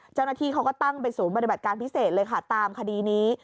เจ้าหน้าที่เขาก็ตั้งเป็นศูนย์ปฏิบัติการพิเศษเลยค่ะตามคดีนี้